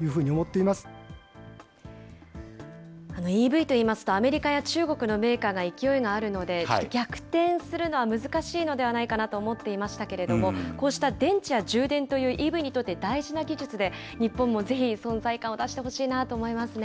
ＥＶといいますと、アメリカや中国のメーカーが勢いがあるので、逆転するのは難しいのではないかなと思っていましたけれども、こうした電池や充電というＥＶにとって大事な技術で、日本もぜひ存在感を出してほしいなと思いますね。